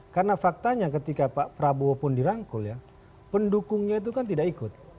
karena faktanya ketika pak prabowo pun dirangkul ya pendukungnya itu kan tidak ikut